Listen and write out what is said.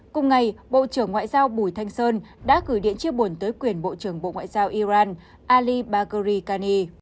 cùng ngày bộ trưởng ngoại giao bùi thanh sơn đã gửi điện chia buồn tới quyền bộ trưởng bộ ngoại giao iran ali bagori kani